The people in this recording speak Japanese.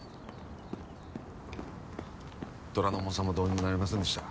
虎ノ門さんもどうにもなりませんでした。